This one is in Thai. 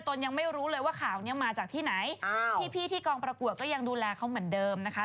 ยังไม่รู้เลยว่าข่าวนี้มาจากที่ไหนพี่ที่กองประกวดก็ยังดูแลเขาเหมือนเดิมนะคะ